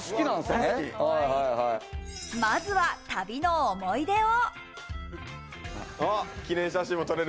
まずは、旅の思い出を。